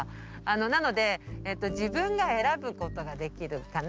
なので自分が選ぶことができるかなって。